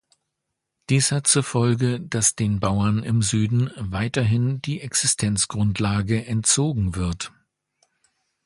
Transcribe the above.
Dies hat zur Folge, dass den Bauern im Süden weiterhin die Existenzgrundlage entzogen wird.